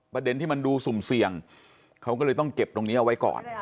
ประเด็นที่มันดูสุ่มเสี่ยงเขาก็เลยต้องเก็บตรงนี้เอาไว้ก่อน